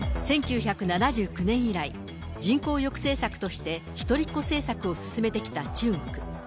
１９７９年以来、人口抑制策として、一人っ子政策を進めてきた中国。